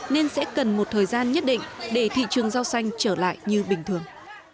nên sẽ cần một thời gian nhất định để thị trường rau xanh trở lại như bình thường